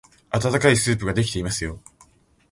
あたたかいスープができていますよ。